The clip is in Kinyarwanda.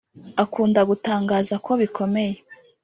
Akunda gutangaza ko bikomeye.